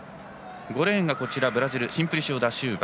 ５レーンがブラジルのシンプリシオダシウバ。